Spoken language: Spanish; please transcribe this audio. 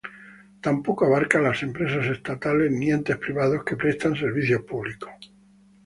Tampoco abarca las empresas estatales ni entes privados que prestan servicios públicos.